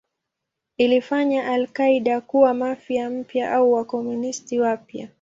Ilifanya al-Qaeda kuwa Mafia mpya au Wakomunisti wapya.